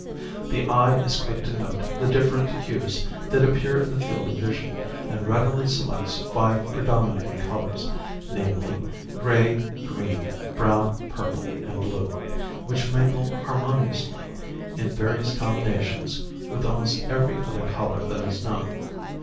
The eye is quick to note the different hues that appear in the field of vision and readily selects five predominating colors, namely, gray, green, brown, purple and blue, which mingle harmoniously in various combinations with almost every other color that is known.